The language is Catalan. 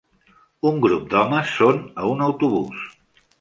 Un grup d'homes són a un autobús